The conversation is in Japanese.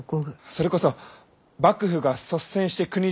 それこそ幕府が率先して国中の男に施せば。